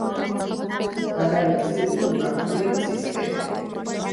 გაგარინის ძეგლი მიმართულია ცისკენ.